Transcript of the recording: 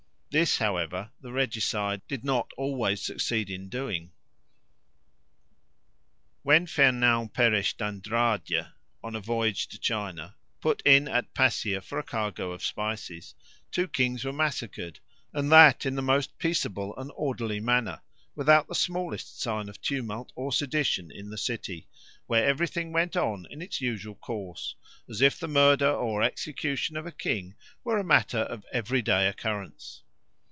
This, however, the regicide did not always succeed in doing. When Fernão Peres d'Andrade, on a voyage to China, put in at Passier for a cargo of spices, two kings were massacred, and that in the most peaceable and orderly manner, without the smallest sign of tumult or sedition in the city, where everything went on in its usual course, as if the murder or execution of a king were a matter of everyday occurrence.